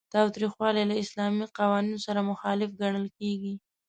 تاوتریخوالی له اسلامي قوانینو سره مخالف ګڼل کیږي.